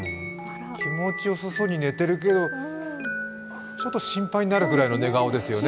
気持ちよさそうに寝てるけどちょっと心配になるぐらいの寝顔だよね。